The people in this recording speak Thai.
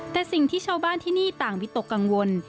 แต่สิ่งที่ชาวบ้านที่นี่ต่างวิตกกังวล